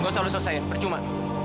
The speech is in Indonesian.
gak usah lu selesaiin percuma